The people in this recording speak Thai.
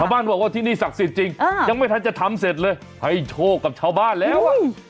บ้านบอกว่าที่นี่ศักดิ์สิทธิ์จริงยังไม่ทันจะทำเสร็จเลยให้โชคกับชาวบ้านแล้ว